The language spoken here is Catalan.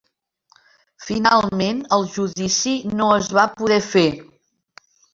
Finalment el judici no es va poder fer.